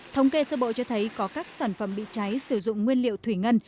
thống kê sơ bộ cho thấy có các sản phẩm bị cháy sử dụng nguyên liệu thủy ngân